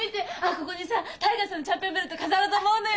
ここにさタイガーさんのチャンピオンベルト飾ろうと思うのよ。